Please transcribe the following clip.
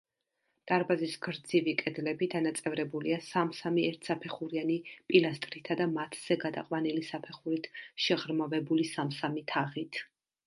დარბაზის გრძივი კედლები დანაწევრებულია სამ-სამი ერთსაფეხურიანი პილასტრითა და მათზე გადაყვანილი საფეხურით შეღრმავებული სამ-სამი თაღით.